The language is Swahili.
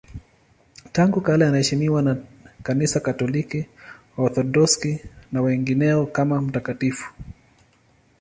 Tangu kale anaheshimiwa na Kanisa Katoliki, Waorthodoksi na wengineo kama mtakatifu.